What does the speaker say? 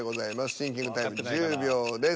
シンキングタイム１０秒です。